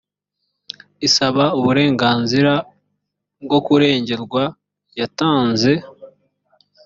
isaba uburenganzira bwo kurengerwa yatanze